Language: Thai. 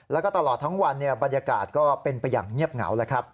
แล้วก็ตลอดทั้งวันบรรยากาศก็เป็นไปอย่างเงียบเหงาแล้วครับ